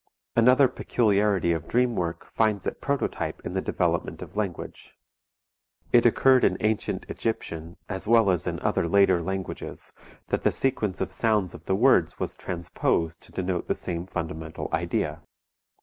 Another peculiarity of dream work finds it prototype in the development of language. It occurred in ancient Egyptian as well as in other later languages that the sequence of sounds of the words was transposed to denote the same fundamental idea.